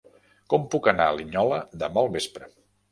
Com puc anar a Linyola demà al vespre?